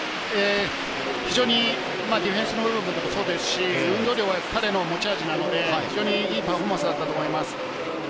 非常にディフェンスの部分もそうですし、運動量が彼の持ち味なので非常にいいパフォーマンスだったと思います。